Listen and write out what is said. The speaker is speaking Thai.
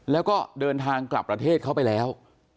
แล้วก็เดินทางกลับประเทศเขาไปแล้ว